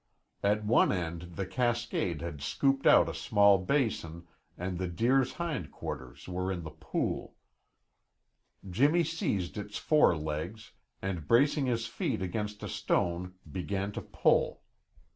At one end the cascade had scooped out a small basin and the deer's hind quarters were in the pool. Jimmy seized its fore legs, and bracing his feet against a stone, began to pull.